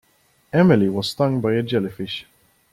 Emily was stung by a jellyfish.